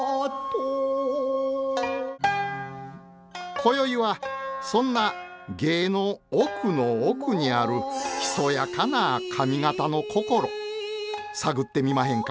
今宵はそんな芸の奥の奥にあるひそやかな上方の心探ってみまへんか？